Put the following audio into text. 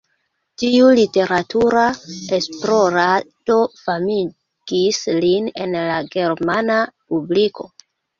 Tiu literatura esplorado famigis lin en la germana publiko.